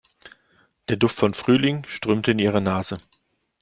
Der Duft von Frühling strömte in ihre Nase.